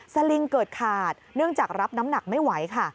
สลิงเกิดขาดเนื่องจากรับน้ำหนักไม่ไหวค่ะ